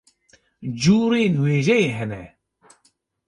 curên wêjeyê hene.